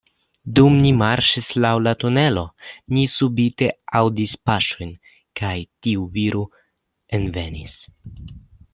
Dum ni marŝis laŭ la tunelo, ni subite aŭdis paŝojn, kaj tiu viro envenis.